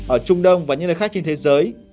ở trung đông và những nơi khác trên thế giới